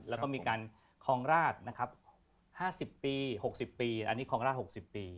แล้วก็มีการครองราชนะครับ๕๐ปี๖๐ปีอันนี้คลองราช๖๐ปี